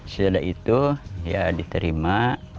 sudah itu ya diterima